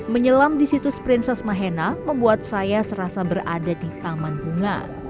menyelam di situs prinses mahena membuat saya serasa berada di taman bunga